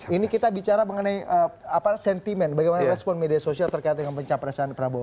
ini kita bicara mengenai sentimen bagaimana respon media sosial terkait dengan pencapresan prabowo